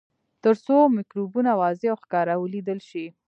تر څو مکروبونه واضح او ښکاره ولیدل شي.